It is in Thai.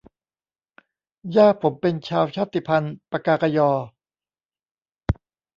ย่าผมเป็นชาวชาติพันธุ์ปกากะญอ